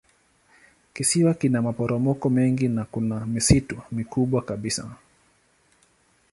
Kisiwa kina maporomoko mengi na kuna misitu mikubwa kabisa.